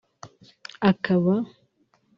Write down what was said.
akaba